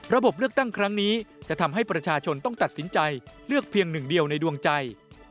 เลือกตั้งครั้งนี้จะทำให้ประชาชนต้องตัดสินใจเลือกเพียงหนึ่งเดียวในดวงใจ